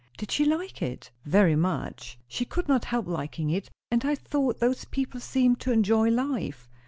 "Did she like it?" "Very much. She could not help liking it. And I thought those people seemed to enjoy life.